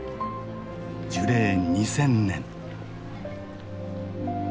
樹齢２，０００年。